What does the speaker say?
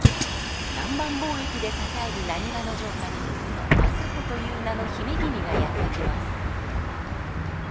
南蛮貿易で栄える難波の城下に朝子という名の姫君がやって来ます。